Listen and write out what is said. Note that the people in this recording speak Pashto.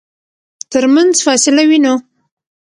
ترمنځ فاصله وينو.